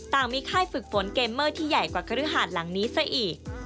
มีค่ายฝึกฝนเกมเมอร์ที่ใหญ่กว่าคฤหาดหลังนี้ซะอีก